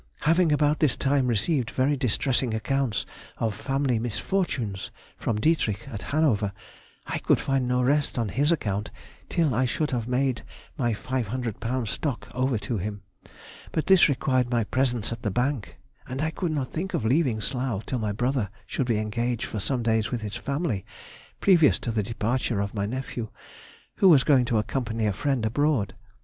Having about this time received very distressing accounts of family misfortunes from Dietrich at Hanover, I could find no rest on his account till I should have made my £500 stock over to him, but this required my presence at the bank, and I could not think of leaving Slough till my brother should be engaged for some days with his family previous to the departure of my nephew, who was going to accompany a friend abroad.